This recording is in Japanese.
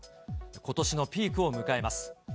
ことしのピークを迎えます。